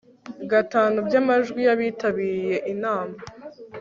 gatanu by amajwi y abitabiriye inama